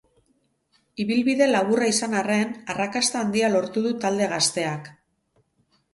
Ibilbide laburra izan arren, arrakasta handia lortu du talde gazteak.